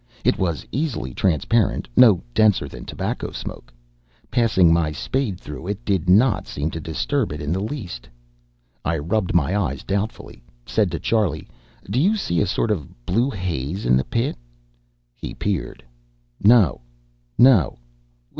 It was easily transparent, no denser than tobacco smoke. Passing my spade through it did not seem to disturb it in the least. I rubbed my eyes doubtfully, said to Charlie, "Do you see a sort of blue haze in the pit?" He peered. "No. No....